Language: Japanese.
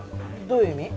どういう意味？